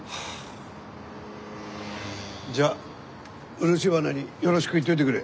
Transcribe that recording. じゃあ漆原によろしく言っといてくれ。